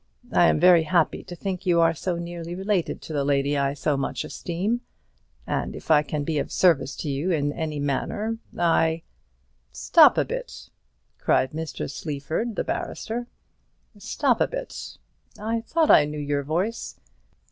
I am very happy to think you are so nearly related to the lady I so much esteem; and if I can be of service to you in any manner, I " "Stop a bit," cried Mr. Sleaford the barrister, "stop a bit! I thought I knew your voice.